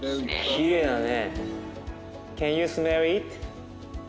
きれいだね。